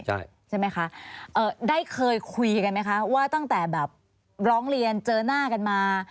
ใช่ไหมคะได้เคยคุยกันไหมคะว่าตั้งแต่แบบร้องเรียนเจอหน้ากันมา